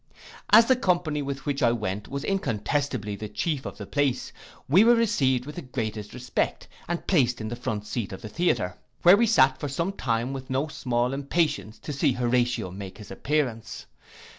As the company with which I went was incontestably the chief of the place, we were received with the greatest respect, and placed in the front seat of the theatre; where we sate for some time with no small impatience to see Horatio make his appearance.